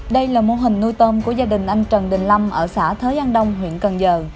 đây là mô hình nuôi tôm của gia đình anh trần đình lâm ở xã thới an đông huyện cần giờ